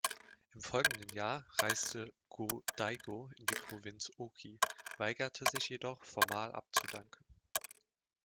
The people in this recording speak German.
Im folgenden Jahr reiste Go-Daigo in die Provinz Oki, weigerte sich jedoch, formal abzudanken.